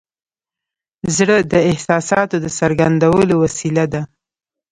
زړه د احساساتو د څرګندولو وسیله ده.